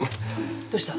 どうした？